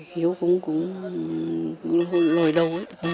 hiếu cũng lồi đầu ấy